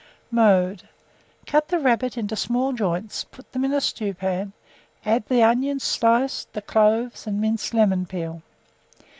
Mode. Cut the rabbit into small joints; put them into a stewpan, add the onions sliced, the cloves, and minced lemon peel.